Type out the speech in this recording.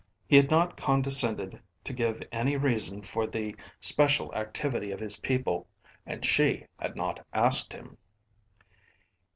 He had not condescended to give any reason for the special activity of his people and she had not asked him.